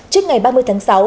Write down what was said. trước ngày ba mươi tháng sáu